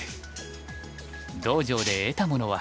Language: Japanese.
道場で得たものは。